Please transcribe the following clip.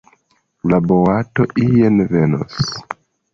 La boato ien venos.